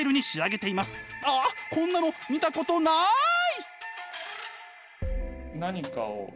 ああこんなの見たことない！